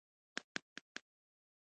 هغوی د چرسو سګرټی ووهي نو په هوا روان وي.